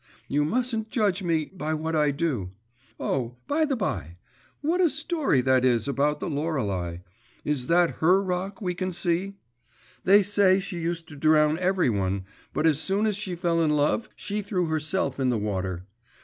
You mustn't judge me by what I do. Oh, by the bye, what a story that is about the Lorelei! Is that her rock we can see? They say she used to drown every one, but as soon as she fell in love she threw herself in the water.